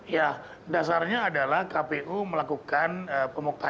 ya dasarnya adalah kpu melakukan pemukaan